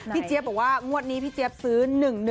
เจี๊ยบบอกว่างวดนี้พี่เจี๊ยบซื้อ๑๑